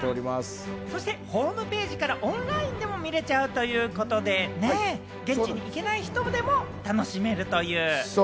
ホームページからオンラインでも見られちゃうということで、現地に行けない人でも楽しめるという。